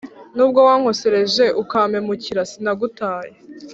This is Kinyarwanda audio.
nubwo wankosereje ukampemukira sinagutaye